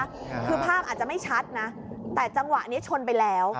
คือภาพอาจจะไม่ชัดนะแต่จังหวะนี้ชนไปแล้ว